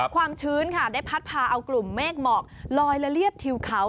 ความชื้นค่ะได้พัดพาเอากลุ่มเมฆหมอกลอยละเรียบทิวเขา